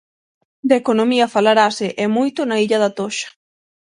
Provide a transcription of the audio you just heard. De economía falarase, e moito, na illa da Toxa.